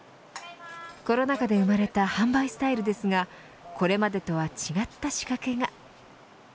コロナ禍で生まれた販売スタイルですがこれまでとは違った仕掛けが。